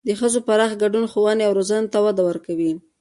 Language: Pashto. د ښځو پراخ ګډون ښوونې او روزنې ته وده ورکوي.